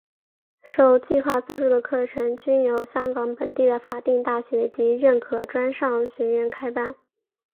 受计划资助的课程均由香港本地的法定大学及认可专上学院开办。